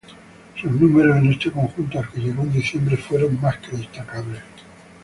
Sus números en este conjunto, al que llegó en Diciembre, fueron más que destacables.